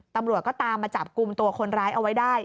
ตำรวจก็ตามมาจับกลุ่มตัวคนร้ายเอาไว้ได้